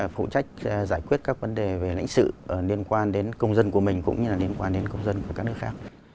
phụ trách giải quyết các vấn đề về lãnh sự liên quan đến công dân của mình cũng như liên quan đến công dân của các nước khác